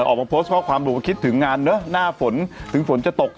ออกมาโพสต์ข้อความบอกว่าคิดถึงงานเนอะหน้าฝนถึงฝนจะตก